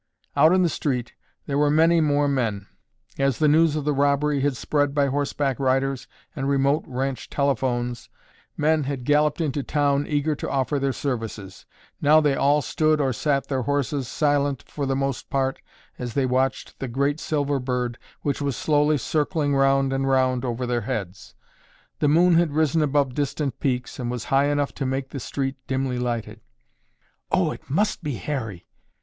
Out in the street, there were many more men. As the news of the robbery had spread by horseback riders and remote ranch telephones, men had galloped into town eager to offer their services. Now they all stood or sat their horses, silent, for the most part, as they watched the great silver bird which was slowly circling round and round over their heads. The moon had risen above distant peaks and was high enough to make the street dimly lighted. "Oh, it must be Harry!"